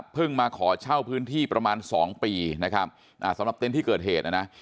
มาขอเช่าพื้นที่ประมาณ๒ปีนะครับสำหรับเต็นต์ที่เกิดเหตุนะนะ